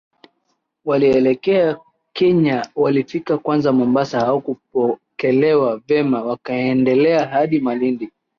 Walielekea Kenya walifika kwanza Mombasa hawakupokelewa vema wakaendelea hadi Malindi